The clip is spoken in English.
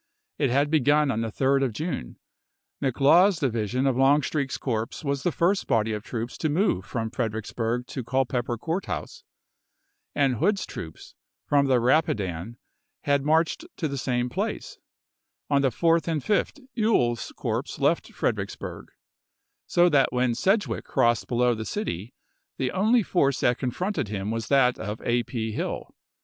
It had begun on the 3d of June; Mc i863. Laws's division of Longstreet's corps was the first body of troops to move from Fredericksburg to Culpeper Court House, and Hood's troops, from the Rapidan, had marched to the same place ; on the 4th and 5th EwelPs corps left Fredericksburg; so that when Sedgwick crossed below the city the only force that confronted him was that of A. P. Hill.